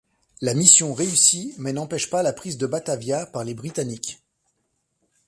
La mission réussit mais n'empêche pas la prise de Batavia par les Britanniques.